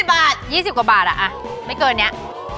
๒๐บาท๒๐กว่าบาทอะไม่เกินเนี่ย